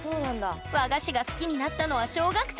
和菓子が好きになったのは小学生の頃！